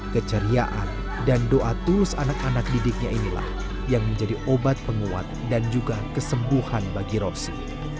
keceriaan dan doa tulus anak anak didiknya inilah yang menjadi obat penguat dan juga kesembuhan bagi rosi